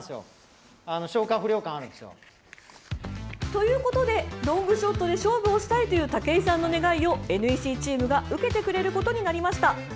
ということでロングショットで勝負をしたいという武井さんの願いをＮＥＣチームが受けてくれることになりました。